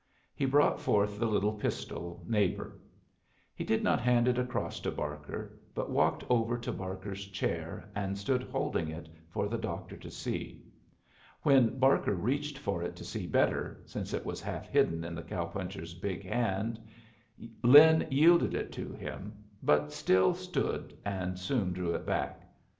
He brought forth the little pistol, "Neighbor." He did not hand it across to Barker, but walked over to Barker's chair, and stood holding it for the doctor to see. When Barker reached for it to see better, since it was half hidden in the cow puncher's big hand, Lin yielded it to him, but still stood and soon drew it back.